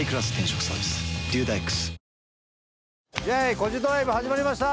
「コジドライブ」始まりました。